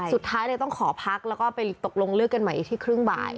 สุดท้ายเลยต้องขอพักแล้วก็ไปตกลงเลือกกันใหม่อีกที่ครึ่งบ่าย